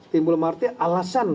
timbul martir alasan